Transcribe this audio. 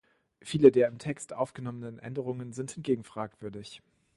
Viele der im Text aufgenommenen Änderungen sind hingegen fragwürdig.